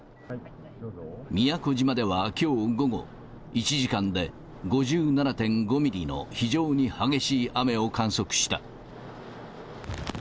宮古島ではきょう午後、１時間で５７．５ミリの非常に激しい雨を観測した。